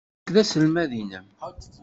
Nekk d taselmadt-nnem.